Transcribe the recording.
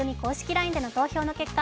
ＬＩＮＥでの投票の結果